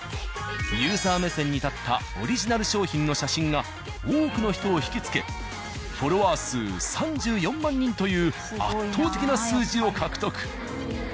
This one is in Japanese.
ユーザー目線に立ったオリジナル商品の写真が多くの人を惹きつけフォロワー数３４万人という圧倒的な数字を獲得。